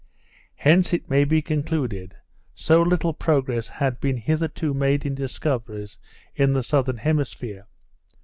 Hence, it may be concluded, so little progress had been hitherto made in discoveries in the Southern Hemisphere.